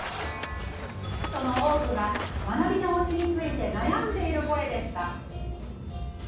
その多くが学び直しについて悩んでいる声でした。